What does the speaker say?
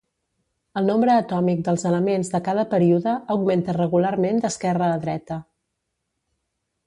El nombre atòmic dels elements de cada període augmenta regularment d'esquerra a dreta.